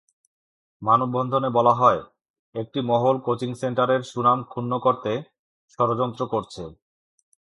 মানববন্ধনে বলা হয়, একটি মহল কোচিং সেন্টারের সুনাম ক্ষুণ্ন করতে ষড়যন্ত্র করছে।